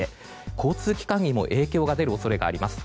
交通機関にも影響が出る恐れがあります。